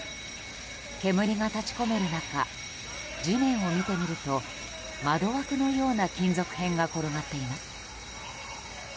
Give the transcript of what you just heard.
煙が立ち込める中地面を見てみると窓枠のような金属片が転がっています。